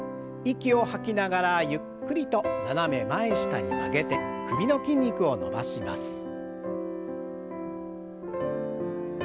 息を吐きながらゆっくりと斜め前下に曲げて首の筋肉を伸ばします。